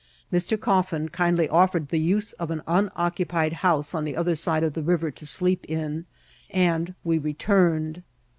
Mr. Cofia kindly otfeied the use of an nnoccupied house on the other aide of the rvrer to sleep in, and we retvned.